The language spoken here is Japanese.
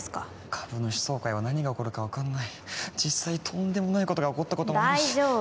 株主総会は何が起こるか分かんない実際とんでもないことが起こっ大丈夫